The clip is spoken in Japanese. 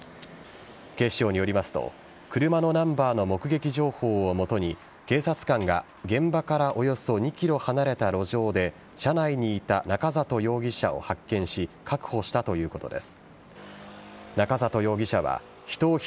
警視庁によりますと車のナンバーの目撃情報を基に警察官が現場からおよそ２ｋｍ離れた路上で車内にいた中里容疑者を発見し確保したということです。